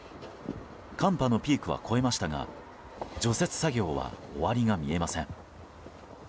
寒波のピークは越えましたが除雪作業は終わりが見えません。